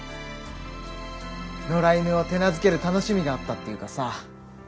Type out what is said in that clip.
野良犬を手なずける楽しみがあったっていうかさ。